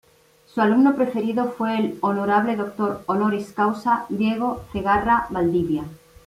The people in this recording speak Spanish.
Su alumno preferido fue el honorable Doctor Honoris Causa Diego Zegarra Valdivia.